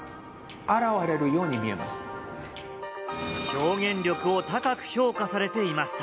表現力を高く評価されていました。